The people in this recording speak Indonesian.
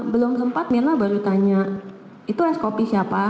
belum sempat mirna baru tanya itu es kopi siapa